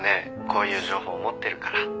こういう情報持ってるから。